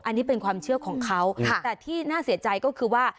อันนี้เป็นความเชื่อของเขาแต่ที่น่าเสียใจก็คือว่า